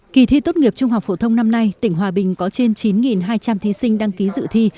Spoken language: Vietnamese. kỳ thi tốt nghiệp trung học phổ thông năm nay tỉnh hòa bình có trên chín hai trăm linh thí sinh đăng ký dự thi